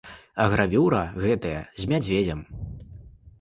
А гравюра гэтая з мядзведзем.